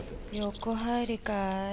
横入りかい？